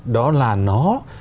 đó là nó